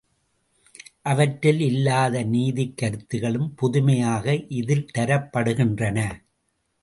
அவற்றில் இல்லாத நீதிக் கருத்துகளும் புதுமையாக இதில் தரப்படுகின்றன.